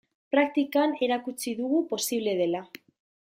Praktikan erakutsi dugu posible dela.